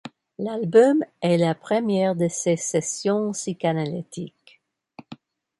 L'album est la première de ces sessions psychanalytiques.